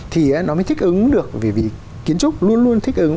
thì nó mới thích ứng được vì kiến trúc luôn luôn thích ứng